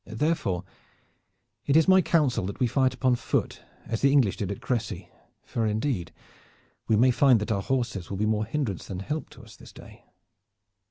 Therefore, it is my council that we fight upon foot, as the English did at Crecy, for indeed we may find that our horses will be more hindrance than help to us this day."